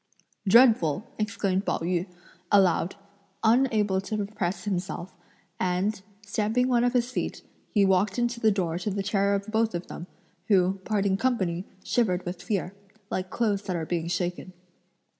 "Dreadful!" exclaimed Pao yü, aloud, unable to repress himself, and, stamping one of his feet, he walked into the door to the terror of both of them, who parting company, shivered with fear, like clothes that are being shaken.